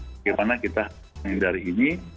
bagaimana kita menghindari ini